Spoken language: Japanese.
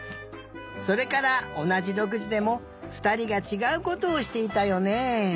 それからおなじ６じでもふたりがちがうことをしていたよね。